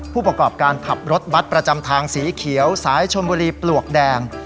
ผู้ประกอบการขับรถบัตรประจำทางสีเขียวสายชนบุรีปลวกแดง